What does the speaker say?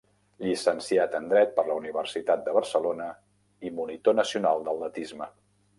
Llicenciat en dret per la Universitat de Barcelona i monitor nacional d'atletisme.